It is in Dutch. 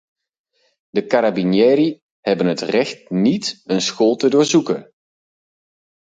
De carabinieri hebben het recht niet een school te doorzoeken.